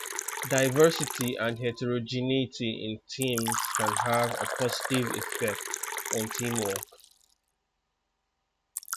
Diversity and heterogeneity in teams can have a positive effect on teamwork.